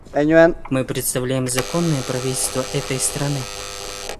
Мы представляем законное правительство этой страны.